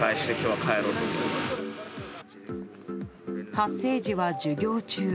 発生時は授業中。